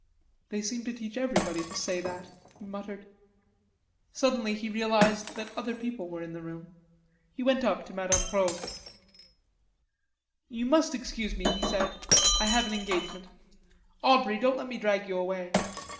"They seem to teach everybody to say that," he muttered. Suddenly he realized that other people were in the room. He went up to Mme. Rod. "You must excuse me," he said, "I have an engagement.... Aubrey, don't let me drag you away.